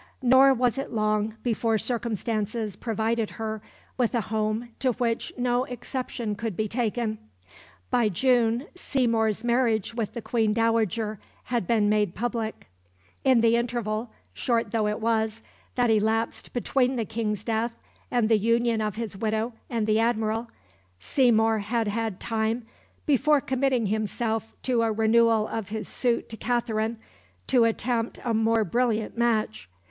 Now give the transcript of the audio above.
Nor was it long before circumstances provided her with a home to which no exception could be taken. By June Seymour's marriage with the Queen Dowager had been made public. In the interval, short though it was, that elapsed between the King's death and the union of his widow and the Admiral, Seymour had had time, before committing himself to a renewal of his suit to Katherine, to attempt a more brilliant match.